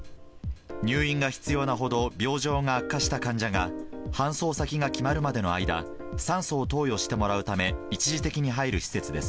入院が必要なほど病状が悪化した患者が搬送先が決まるまでの間、酸素を投与してもらうため、一時的に入る施設です。